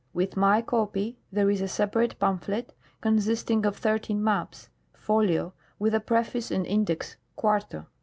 With my copy there is a separate pamphlet, consisting of 13 majDS, folio, with a preface and index, quarto.